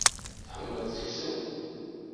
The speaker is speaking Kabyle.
Tḥemmleḍ seksu.